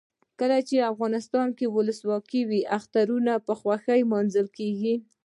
کله چې افغانستان کې ولسواکي وي اخترونه په خوښۍ لمانځل کیږي.